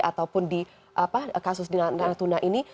ataupun di kasus di natuna ini